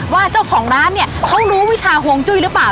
ว่าเจ้าของร้านเนี่ยเขารู้วิชาห่วงจุ้ยหรือเปล่า